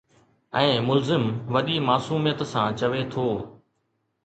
۽ ملزم وڏي معصوميت سان چوي ٿو.